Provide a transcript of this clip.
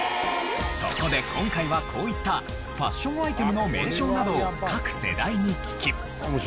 そこで今回はこういったファッションアイテムの名称などを各世代に聞き。